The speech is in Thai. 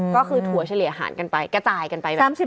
ก็คือถั่วเฉลี่ยหารกันไปกระจายกันไปแบบนี้